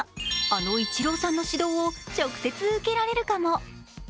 あのイチローさんの指導を直接受けられるかも？